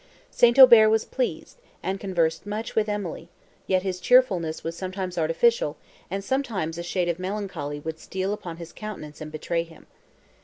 St. Aubert was pleased, and conversed much with Emily, yet his cheerfulness was sometimes artificial, and sometimes a shade of melancholy would steal upon his countenance, and betray him.